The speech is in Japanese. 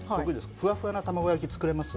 ふわふわな卵焼き、作れます。